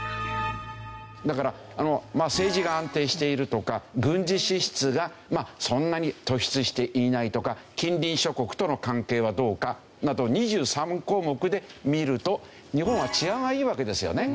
だから政治が安定しているとか軍事支出がそんなに突出していないとか近隣諸国との関係はどうか？など２３項目で見ると日本は治安はいいわけですよね。